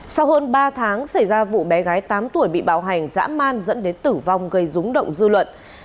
sau hơn ba tháng xảy ra vụ bé gái tám tuổi bị bạo hành dã man dẫn đến tử vong gây rúng động dư luận